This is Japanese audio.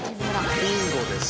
ビンゴです。